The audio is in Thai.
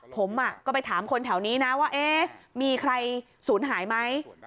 ผมก็ไปถามคนแถวนี้นะว่ามีใครสูญหายไหม